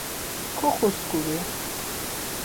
Kuxuskuri.